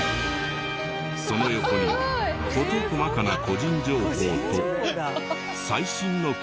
その横に事細かな個人情報と最新の経歴が赤字。